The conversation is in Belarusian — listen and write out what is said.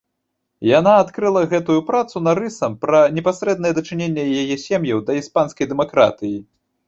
Яна адкрыла гэтую працу нарысам пра непасрэднае дачыненне яе сем'яў да іспанскай дэмакратыі.